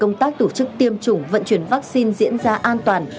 công tác tổ chức tiêm chủng vận chuyển vaccine diễn ra an toàn